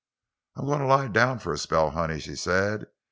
"I's gwine to lie down a spell, honey," she said.